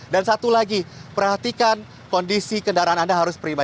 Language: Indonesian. dan satu lagi perhatikan kondisi kendaraan anda harus prima